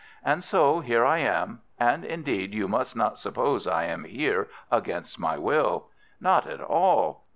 And so here I am. And indeed, you must not suppose I am here against my will; not at all.